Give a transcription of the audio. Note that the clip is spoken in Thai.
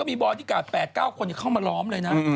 มีบอดี้การ์ด๘๙คนเข้ามาล้อมเลยนะ